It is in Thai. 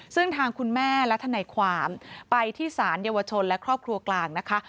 ซึ่งทางคุณแม่และทนายความไปที่ศาลเยาวชนและครอบครัวกลางนะคะ